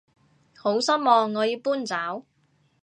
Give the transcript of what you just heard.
好失望我要搬走